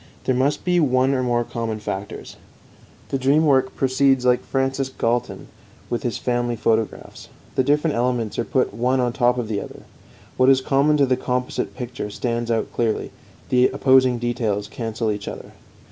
There must be one or more common factors. The dream work proceeds like Francis Galton with his family photographs. The different elements are put one on top of the other; what is common to the composite picture stands out clearly, the opposing details cancel each other.